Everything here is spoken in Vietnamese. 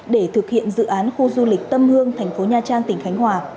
để thực hiện dự án khu du lịch tâm hương thành phố nha trang tỉnh khánh hòa